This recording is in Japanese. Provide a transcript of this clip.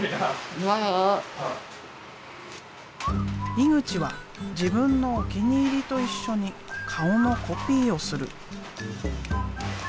井口は自分のお気に入りと一緒に顔のコピーをする。